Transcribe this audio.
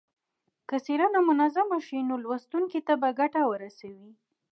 که څېړنه منظمه شي نو لوستونکو ته به ګټه ورسوي.